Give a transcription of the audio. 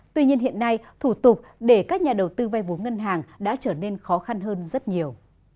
tuy nhiên hiện nay thủ tục để các nhà đầu tư vay vốn ngân hàng đã trở nên khó khăn hơn rất nhiều